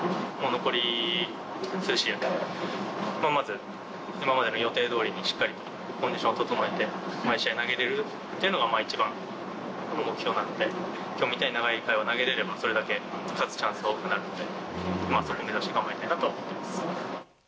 残り数試合、まず今までの予定どおりにしっかりとコンディションを整えて、毎試合、投げれるっていうのが一番の目標なんで、きょうみたいに長い回を投げられれば、勝つチャンスは多くなるので、そこ目指して頑張りたいなと思ってます。